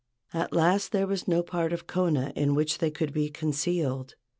At last there was no part of Kona in which they could be concealed.